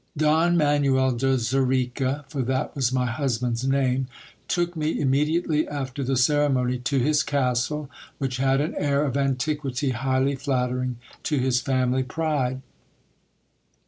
Don Manuel de Xerica, for that was my husband's name, took me immediately after the ceremony to his castle, which had an air of antiquity highly flattering to his family pride.